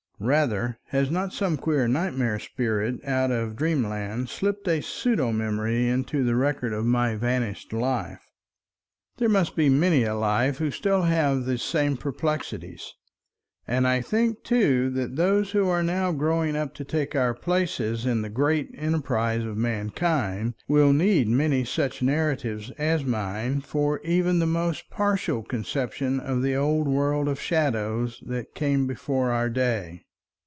Rather, has not some queer nightmare spirit out of dreamland slipped a pseudo memory into the records of my vanished life?" There must be many alive still who have the same perplexities. And I think too that those who are now growing up to take our places in the great enterprise of mankind, will need many such narratives as mine for even the most partial conception of the old world of shadows that came before our day.